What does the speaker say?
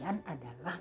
ya tak teriak